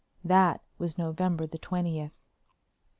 That was November the twentieth.